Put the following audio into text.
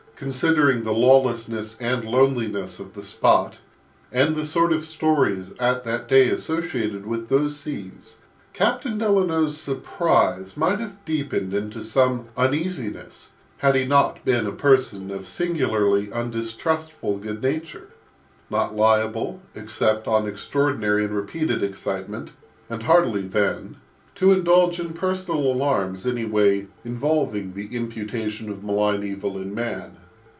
Considering the lawlessness and loneliness of the spot, and the sort of stories, at that day, associated with those seas, Captain Delano's surprise might have deepened into some uneasiness had he not been a person of a singularly undistrustful good nature, not liable, except on extraordinary and repeated incentives, and hardly then, to indulge in personal alarms, any way involving the imputation of malign evil in man.